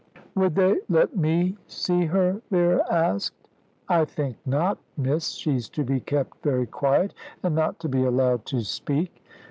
"Would they let me see her?" Vera asked. "I think not, Miss. She's to be kept very quiet, and not to be allowed to speak."